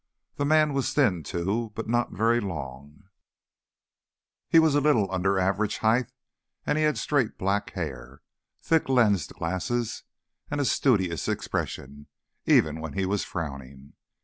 The man was thin, too, but not very long; he was a little under average height, and he had straight black hair, thick lensed glasses and a studious expression, even when he was frowning.